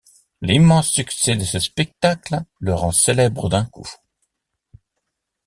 L’immense succès de ce spectacle le rend célèbre d'un coup.